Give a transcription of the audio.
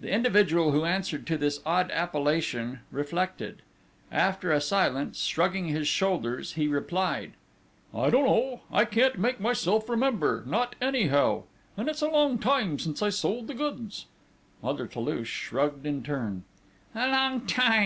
The individual who answered to this odd appellation reflected. After a silence, shrugging his shoulders, he replied: "I don't know. I can't make myself remember not anyhow!... And it's a long time since I sold the goods!" Mother Toulouche shrugged in turn: "A long time!"